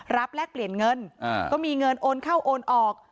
แลกเปลี่ยนเงินก็มีเงินโอนเข้าโอนออก